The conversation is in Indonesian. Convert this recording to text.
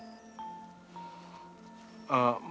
kelihatannya terburu buru sekali